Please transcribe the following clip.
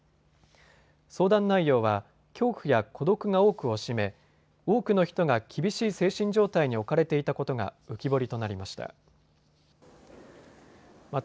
相談内容は恐怖や孤独が多くを占め、多くの人が厳しい精神状態に置かれていたことが浮き彫りとなりました。